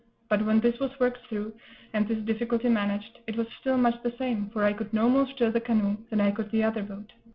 but when this was worked through, and this difficulty managed, it was still much the same, for I could no more stir the canoe than I could the other boat.